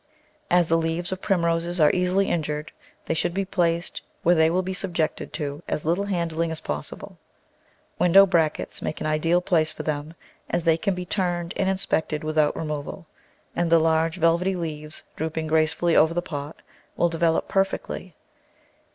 As the leaves of Primroses are easily injured they should be placed where they will be subjected to as little han dling as possible. Window brackets make an ideal place for them, as they can be turned and inspected without removal, and die large velvety leaves, droop ing gracefully over the pot, will develop perfectly.